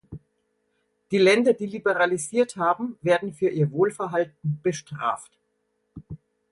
Die Länder, die liberalisiert haben, werden für ihr Wohlverhalten bestraft.